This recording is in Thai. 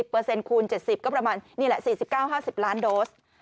๗๐เปอร์เซ็นต์คูณ๗๐ก็ประมาณนี้แหละ๔๙๕๐ล้านโดส